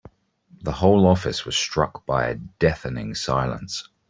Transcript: The whole office was struck by a deafening silence.